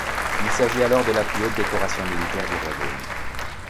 Il s'agit alors de la plus haute décoration militaire du royaume.